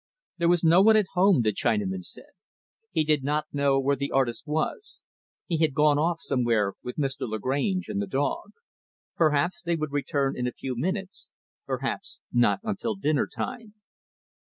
There was no one at home, the Chinaman said. He did not know where the artist was. He had gone off somewhere with Mr. Lagrange and the dog. Perhaps they would return in a few minutes; perhaps not until dinner time.